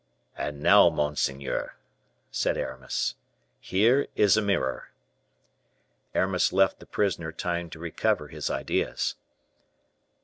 "And now, monseigneur," said Aramis, "here is a mirror." Aramis left the prisoner time to recover his ideas.